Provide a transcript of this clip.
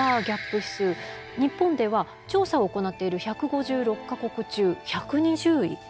日本では調査を行っている１５６か国中１２０位。